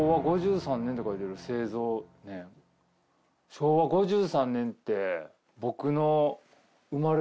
昭和５３年って。